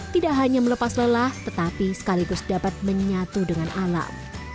tidak hanya melepas lelah tetapi sekaligus dapat menyatu dengan alam